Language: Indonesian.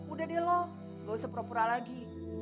udah deh lo lo sepura pura lagi